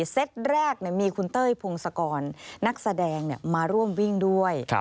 เซตแรกมีคุณเต้ยพงศกรนักแสดงมาร่วมวิ่งด้วย